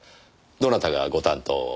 どなたがご担当を？